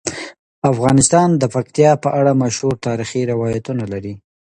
افغانستان د پکتیا په اړه مشهور تاریخی روایتونه لري.